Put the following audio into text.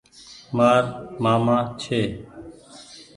مآر مآمآ ڇي۔